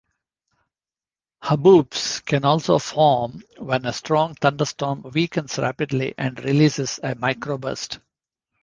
Haboobs can also form when a strong thunderstorm weakens rapidly, and releases a microburst.